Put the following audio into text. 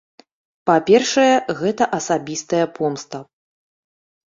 Па-першае, гэта асабістая помста.